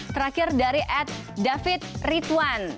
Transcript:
terakhir dari david ridwan